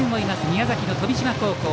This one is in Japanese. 宮崎の富島高校。